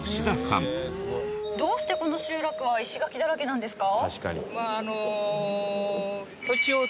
どうしてこの集落は石垣だらけなんですか？